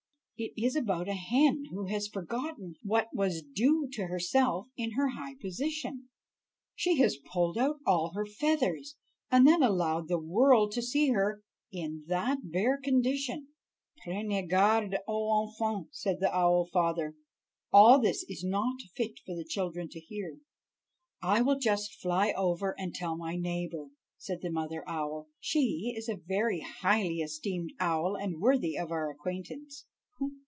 It is about a hen who has forgotten what was due to herself in her high position; she has pulled out all her feathers, and then allowed the world to see her in that bare condition." "Prenez garde aux enfants," said the owl father, "all this is not fit for the children to hear." "I will just fly over and tell my neighbor," said the mother owl; "she is a very highly esteemed owl, and worthy of our acquaintance."